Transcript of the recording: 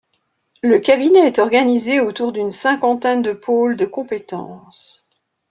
Le cabinet est organisé autour d'une cinquantaine de pôles de compétences.